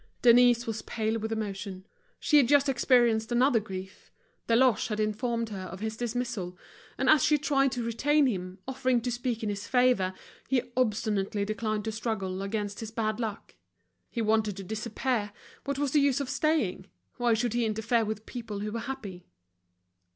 Denise was pale with emotion. She had just experienced another grief, Deloche had informed her of his dismissal, and as she tried to retain him, offering to speak in his favor, he obstinately declined to struggle against his bad luck, he wanted to disappear, what was the use of staying? Why should he interfere with people who were happy?